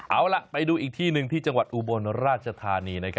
เอาล่ะไปดูอีกที่หนึ่งที่จังหวัดอุบลราชธานี